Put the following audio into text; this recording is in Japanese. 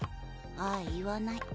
ああ言わない。